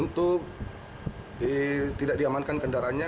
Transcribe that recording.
untuk tidak diamankan kendaraannya